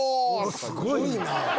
すごいな！